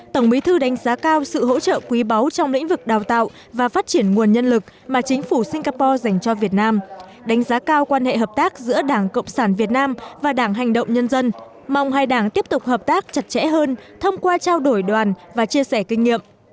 tổng bí thư đánh giá cao sự hỗ trợ quý báu trong lĩnh vực đào tạo và phát triển nguồn nhân lực mà chính phủ singapore dành cho việt nam đánh giá cao quan hệ hợp tác giữa đảng cộng sản việt nam và đảng hành động nhân dân mong hai đảng tiếp tục hợp tác chặt chẽ hơn thông qua trao đổi đoàn và chia sẻ kinh nghiệm